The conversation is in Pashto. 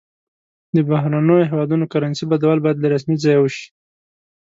د بهرنیو هیوادونو کرنسي بدلول باید له رسمي ځایه وشي.